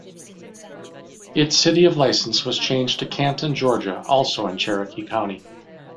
It city of license was changed to Canton, Georgia, also in Cherokee County.